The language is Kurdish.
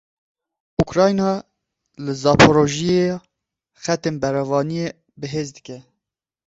Ukrayna li Zaporojiya xetên berevaniyê bihêz dike.